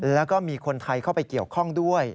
แล้วก็มีคนไทยเข้าไปเกี่ยวข้องด้วย